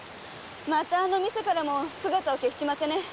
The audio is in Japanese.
またあの店からも姿を消しちまってね。